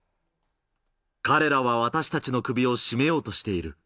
彼らは私たちの首を絞めようとしている。